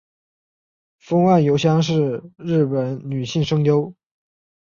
峰岸由香里是日本女性声优。